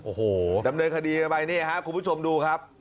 โอ้โหดำเนินคดีกันไปนี่ครับคุณผู้ชมดูครับ